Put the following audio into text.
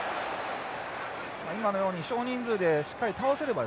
今のように少人数でしっかり倒せれば。